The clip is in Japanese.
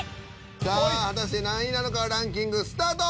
さあ果たして何位なのかランキングスタート。